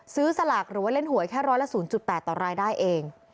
สลากหรือว่าเล่นหวยแค่ร้อยละ๐๘ต่อรายได้เอง